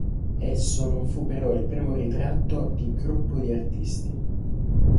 Esso non fu però il primo ritratto di gruppo di artisti.